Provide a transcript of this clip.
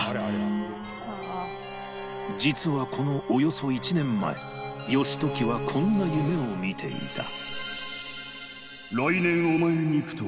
実はこのおよそ１年前義時はこんな夢を見ていた